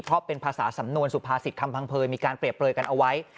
เพราะเป็นภาษาสำนวนสุภาษิตคำพังเผยมีการเปรียบเปลยกันเอาไว้